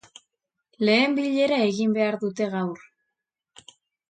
Lehen billera egin behar dute gaur.